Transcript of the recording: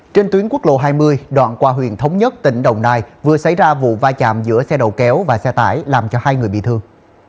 trên tuyến quốc lộ hai mươi đoạn qua huyện thống nhất tỉnh đồng nai vừa xảy ra vụ va chạm giữa xe đầu kéo và xe tải làm cho hai người bị thương